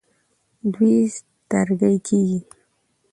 دوی سترګۍ کیږي.